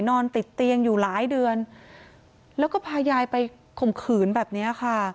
นอนติดเตียงอยู่หลายเดือนแล้วก็พายายไปข่มขืนแบบเนี้ยค่ะ